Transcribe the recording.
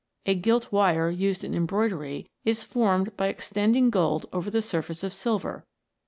The gilt wire used in embroidery is formed by extending gold over the surface of silver.